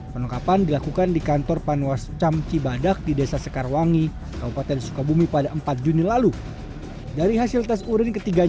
penungkapan dilakukan di kantor panwascam cibadak di desa sekarwangi kabupaten sukabumi pada empat juni